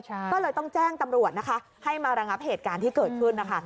ก็เลยต้องแจ้งตำรวจนะคะให้มาระงับเหตุการณ์ที่เกิดขึ้นนะคะ